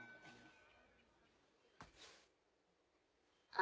あ。